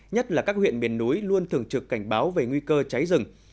nhất là các huyện miền núi luôn thường trực cảnh báo về nguy cơ cháy rừng